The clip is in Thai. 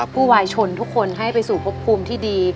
วายชนทุกคนให้ไปสู่พบภูมิที่ดี